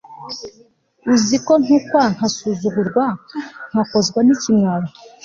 uzi uko ntukwa, ngasuzugurwa, ngakozwa n'ikimwaro